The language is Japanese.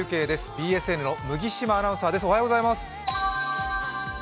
ＢＳＮの麦島アナウンサーです。